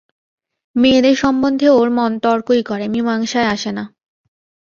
মেয়েদের সম্বন্ধে ওর মন তর্কই করে, মীমাংসায় আসে না।